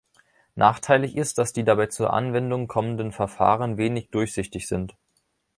Nachteilig ist, dass die dabei zur Anwendung kommenden Verfahren wenig durchsichtig sind.